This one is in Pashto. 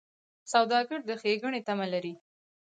سوالګر د ښېګڼې تمه لري